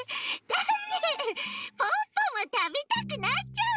だってポッポもたべたくなっちゃうんだもん。